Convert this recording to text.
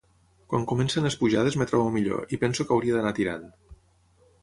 Quan comencen les pujades em trobo millor, i penso que hauria d'anar tirant.